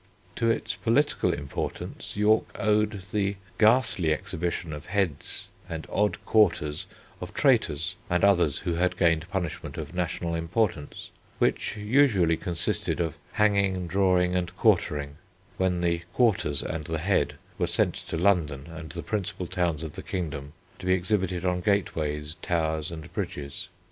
To its political importance York owed the ghastly exhibition of heads and odd quarters of traitors and others who had gained punishment of national importance, which usually consisted of "hanging, drawing and quartering," when the quarters and the head were sent to London and the principal towns of the kingdom to be exhibited on gateways, towers, and bridges.